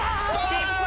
失敗！